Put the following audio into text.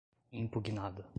impugnada